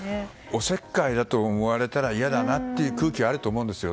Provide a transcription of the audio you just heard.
おせっかいだと思われたら嫌だなという空気があると思うんですよ。